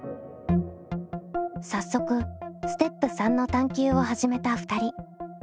早速ステップ３の探究を始めた２人。